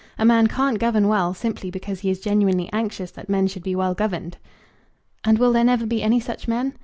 A man can't govern well, simply because he is genuinely anxious that men should be well governed." "And will there never be any such men?"